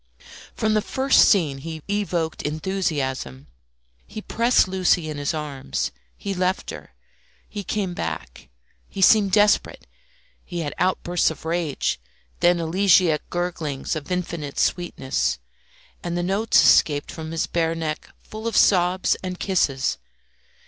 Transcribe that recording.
From the first scene he evoked enthusiasm. He pressed Lucy in his arms, he left her, he came back, he seemed desperate; he had outbursts of rage, then elegiac gurglings of infinite sweetness, and the notes escaped from his bare neck full of sobs and kisses.